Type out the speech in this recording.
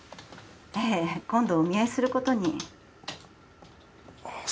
ええ今度お見合いすることにあっ